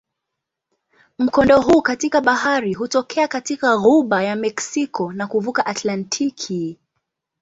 Mkondo huu katika bahari hutokea katika ghuba ya Meksiko na kuvuka Atlantiki.